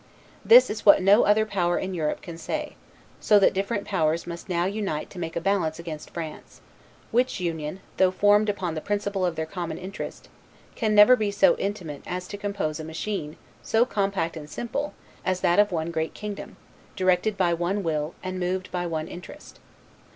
This is what no other power in Europe can say; so that different powers must now unite to make a balance against France; which union, though formed upon the principle of their common interest, can never be so intimate as to compose a machine so compact and simple as that of one great kingdom, directed by one will, and moved by one interest.